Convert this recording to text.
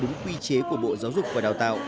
đối với đúng quy chế của bộ giáo dục và đào tạo